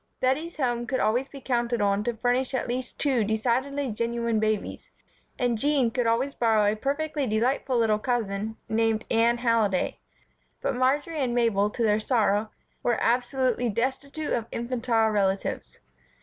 Bettie's home could always be counted on to furnish at least two decidedly genuine babies and Jean could always borrow a perfectly delightful little cousin named Anne Halliday; but Marjory and Mabel, to their sorrow, were absolutely destitute of infantile relatives.